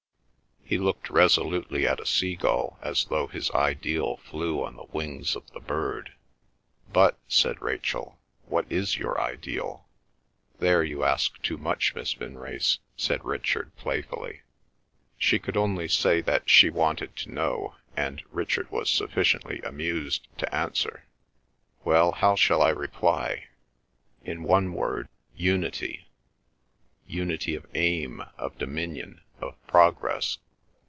He looked resolutely at a sea gull, as though his ideal flew on the wings of the bird. "But," said Rachel, "what is your ideal?" "There you ask too much, Miss Vinrace," said Richard playfully. She could only say that she wanted to know, and Richard was sufficiently amused to answer. "Well, how shall I reply? In one word—Unity. Unity of aim, of dominion, of progress.